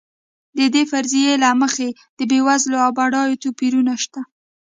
د دې فرضیې له مخې د بېوزلو او بډایو توپیرونه شته.